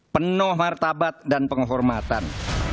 penuh martabat dan penghormatan